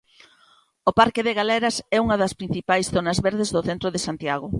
O parque de Galeras é unha das principais zonas verdes do centro de Santiago.